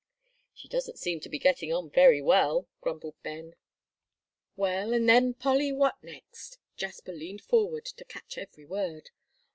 "She doesn't seem to be getting on very well," grumbled Ben. "Well, and then, Polly, what next?" Jasper leaned forward to catch every word.